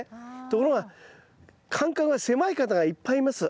ところが間隔が狭い方がいっぱいいます。